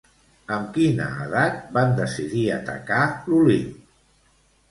Amb quina edat van decidir atacar l'Olimp?